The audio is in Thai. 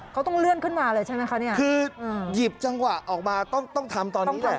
เขาต้องเลื่อนขึ้นมาเลยใช่ไหมคะเนี่ยคือหยิบจังหวะออกมาต้องต้องทำตอนนี้แหละ